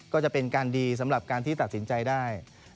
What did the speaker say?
ก็จะเป็นการดีสำหรับการที่ตัดสินใจได้